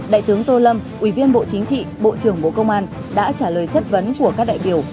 đại tướng tô lâm ủy viên bộ chính trị bộ trưởng bộ công an đã trả lời chất vấn của các đại biểu